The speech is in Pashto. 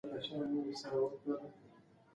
که موږ خپل کلتور وساتو نو عزت به مو پاتې وي.